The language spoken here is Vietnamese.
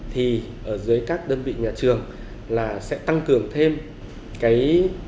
thì ở dưới các đơn vị nhà trường là sẽ tăng cường thêm cái